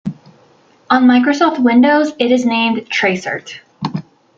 On Microsoft Windows, it is named "tracert".